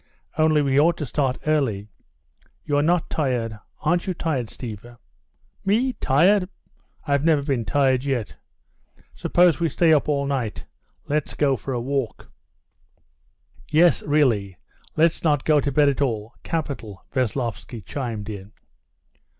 Only we ought to start early. You're not tired? Aren't you tired, Stiva?" "Me tired? I've never been tired yet. Suppose we stay up all night. Let's go for a walk!" "Yes, really, let's not go to bed at all! Capital!" Veslovsky chimed in.